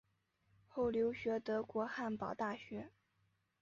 后留学德国汉堡大学。